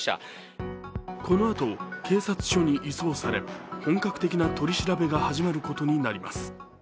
このあと警察署に移送され、本格的な取り調べが始まることになります。